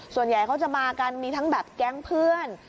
ส่วนใหญ่เขาจะมากันมีทั้งแบบแก๊งเพื่อน